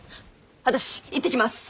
私行ってきます！